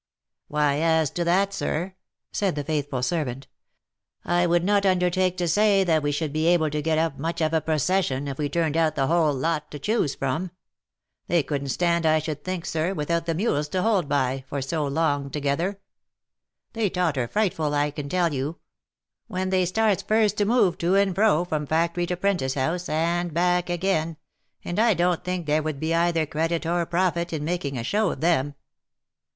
" Why, as to that, sir," said the faithful servant, " I would not un dertake to say that we should be able to get up much of a procession if we turned out the whole lot to choose from. They couldn't stand I should think, sir, without the mules to hold by, for so long together. They totter frightful, I can tell you, when they starts first to move to and fro, from factory to 'prentice house, and back again, and I don't think there would be either credit or profit in making a show of them."